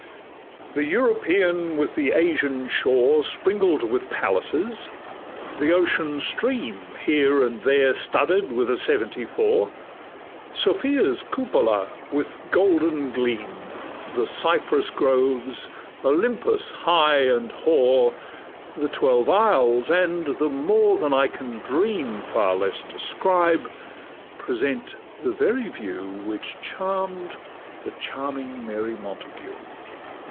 The European with the Asian shore Sprinkled with palaces; the ocean stream Here and there studded with a seventy four; Sophia's cupola with golden gleam; The cypress groves; Olympus high and hoar; The twelve isles, and the more than I could dream, Far less describe, present the very view Which charm'd the charming Mary Montagu.